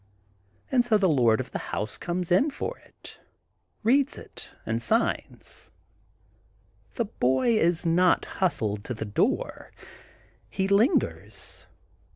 *' And so the lord of the house comes in, for it, reads it, and signs. The boy is not hustled to the door. He lingers.